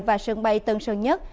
và sân bay tân sơn nhất